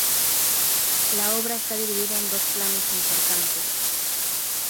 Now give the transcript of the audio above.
La obra está dividida en dos planos importantes.